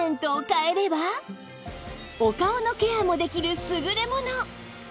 お顔のケアもできる優れもの